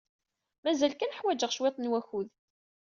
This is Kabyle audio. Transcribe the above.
Mazal kan ḥwajeɣ cwiṭ n wakud.